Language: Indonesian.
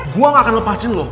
gue gak akan lepasin loh